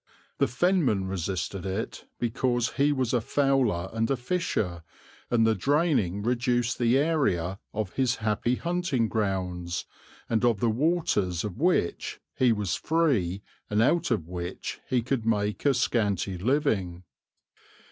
The Fenman resisted it because he was a fowler and a fisher, and the draining reduced the area of his happy hunting grounds and of the waters of which he was free and out of which he could make a scanty living.